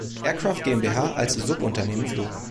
Aircraft GmbH als Subunternehmen flog.